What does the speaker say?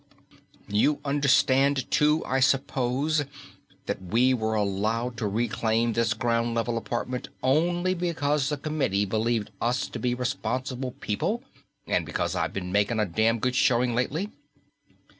"You understand, too, I suppose, that we were allowed to reclaim this ground level apartment only because the Committee believed us to be responsible people, and because I've been making a damn good showing lately?"